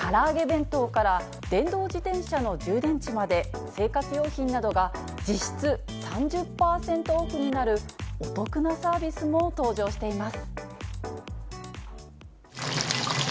弁当から電動自転車の充電池まで、生活用品などが実質３０％オフになるお得なサービスも登場しています。